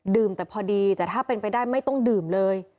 แต่พอดีแต่ถ้าเป็นไปได้ไม่ต้องดื่มเลย